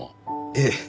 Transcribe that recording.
ええ。